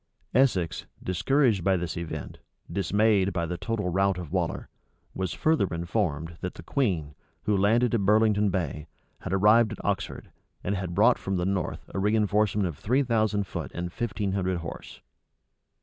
Essex, discouraged by this event, dismayed by the total rout of Waller, was further informed, that the queen, who landed at Burlington Bay, had arrived at Oxford, and had brought from the north a reënforcement of three thousand foot and fifteen hundred horse.